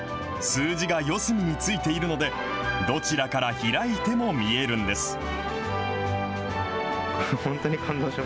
数字が四隅についているので、どちらから開いても見えるんです。